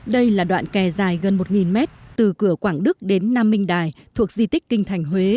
đây là đoạn kè dài gần một mét từ cửa quảng đức đến nam minh đài thuộc di tích kinh thành huế